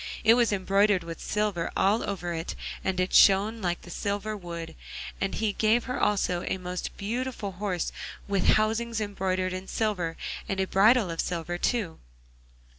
It was embroidered with silver all over it, and it shone like the silver wood, and he gave her also a most beautiful horse, with housings embroidered with silver, and a bridle of silver too.